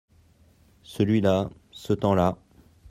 Celui-là, ce temps-là.